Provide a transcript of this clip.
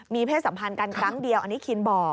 มีเพศสัมพันธ์กันครั้งเดียวอันนี้คินบอก